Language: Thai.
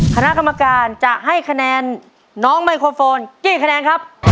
คณะกรรมการจะให้คะแนนน้องไมโครโฟนกี่คะแนนครับ